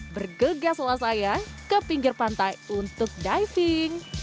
bergegaslah saya ke pinggir pantai untuk menikmati alat selam ini